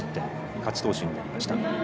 勝ち投手になりました。